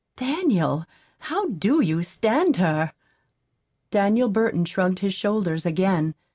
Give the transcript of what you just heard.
Daniel, how DO you stand her?" Daniel Burton shrugged his shoulders again.